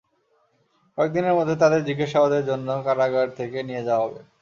কয়েক দিনের মধ্যে তাঁদের জিজ্ঞাসাবাদের জন্য কারাগার থেকে নিয়ে যাওয়া হবে।